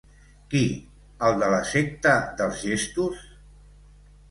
Qui, el de la secta dels gestos?